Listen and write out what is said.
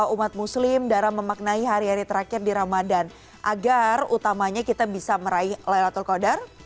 umat muslim dalam memaknai hari hari terakhir di ramadan agar utamanya kita bisa meraih laylatul qadar